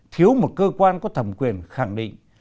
thiếu một cơ quan có thẩm quyền khẳng định